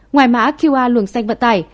ngoài mã qr luồng xanh vận tải